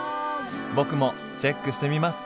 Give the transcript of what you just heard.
僕もチェックしてみます！